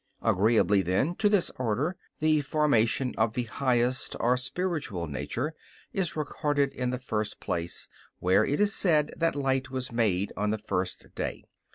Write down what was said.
Agreeably, then, to this order, the formation of the highest or spiritual nature is recorded in the first place, where it is said that light was made on the first day.